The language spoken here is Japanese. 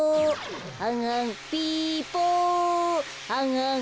はんはんピポはんはん。